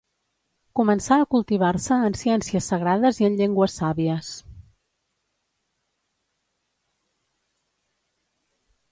Començà a cultivar-se en ciències sagrades i en llengües sàvies.